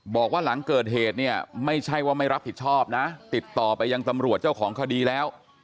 บอกว่าหลังเกิดเหตุเนี่ยไม่ใช่ว่าไม่รับผิดชอบนะติดต่อไปยังตำรวจเจ้าของคดีแล้ว